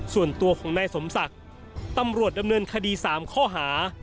ส่วนตัวของนายสมศักดิ์ตำรวจดำเนินคดี๓ข้อหา